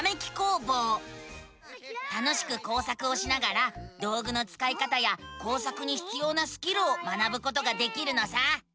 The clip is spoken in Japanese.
楽しく工作をしながら道ぐのつかい方や工作にひつようなスキルを学ぶことができるのさ！